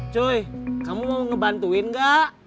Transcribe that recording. joy kamu mau ngebantuin gak